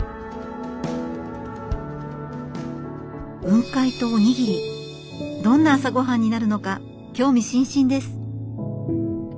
雲海とおにぎりどんな朝ごはんになるのか興味津々です。